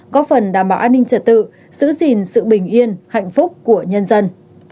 có phần đảm bảo an ninh trật tự giữ gìn sự bình yên hạnh phúc của nhân dân